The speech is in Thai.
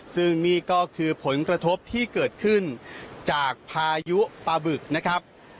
ซึ่งนี่ก็คือผลกระทบที่เกิดขึ้นจากพายุปลาบึกนะครับ